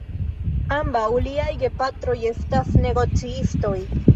Ambaŭ liaj gepatroj estas negocistoj.